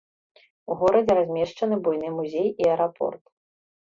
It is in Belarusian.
У горадзе размешчаны буйны музей і аэрапорт.